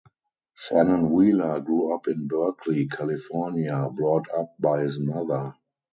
Shannon Wheeler grew up in Berkeley, California, brought up by his mother.